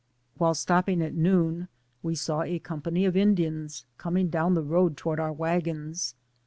While stopping at noon we saw a com pany of Indians coming down the road toward our wagons.